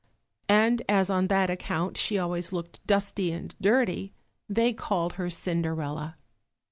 And as on that account she always looked dusty and dirty, they called her Cinderella.